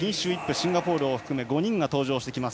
シンガポールを含め５人が登場。